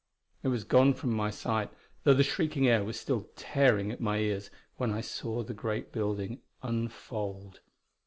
It was gone from my sight, though the shrieking air was still tearing at my ears, when I saw the great building unfold.